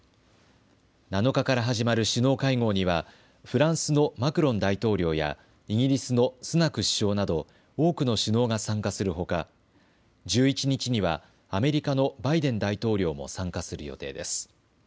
７日から始まる首脳会合にはフランスのマクロン大統領やイギリスのスナク首相など多くの首脳が参加するほか、１１日にはアメリカのバイデン大統領も参加する予定です。